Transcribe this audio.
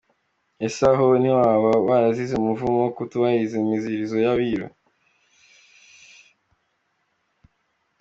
Ese aho ntibaba barazize umuvumo wo kutubahirizo imiziririzo y’abiru ?